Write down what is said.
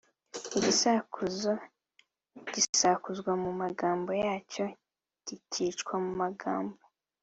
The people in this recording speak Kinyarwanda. Igisakuzo gisakuzwa mu magambo yacyo kikicwa mu magambo